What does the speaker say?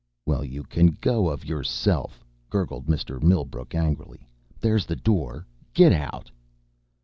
"Well, you can go of yourself!" gurgled Mr. Millbrook angrily. "There's the door. Get out!"